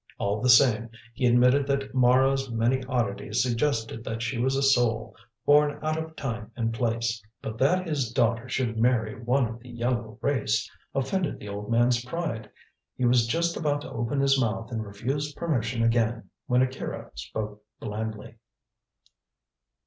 All the same, he admitted that Mara's many oddities suggested that she was a soul born out of time and place. But that his daughter should marry one of the yellow race offended the old man's pride. He was just about to open his mouth and refuse permission again when Akira spoke blandly.